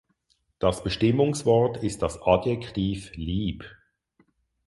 Das Bestimmungswort ist das Adjektiv lieb.